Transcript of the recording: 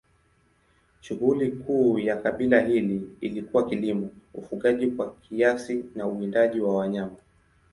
Shughuli kuu ya kabila hili ilikuwa kilimo, ufugaji kwa kiasi na uwindaji wa wanyama.